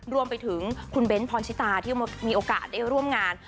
รวมไปถึงคุณเบ้นพรชิตาที่มีโอกาสได้ร่วมงาน